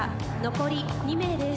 残り２名です。